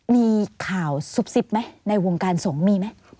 มีข่าวซุบซิบไหมในวงการสงฆ์มีไหม